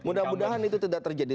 mudah mudahan itu tidak terjadi